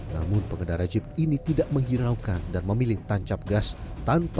namun pengendara jeep ini tidak menghiraukan dan memilih tancap gas tanpa